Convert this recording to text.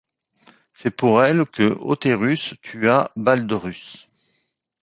C'est pour elle que Hötherus tua Balderus.